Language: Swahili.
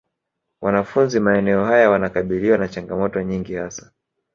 Wanafunzi maeneo haya wanakabiliwa na changamoto nyingi hasa